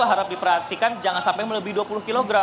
harap diperhatikan jangan sampai melebih dua puluh kg